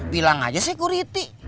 bilang aja security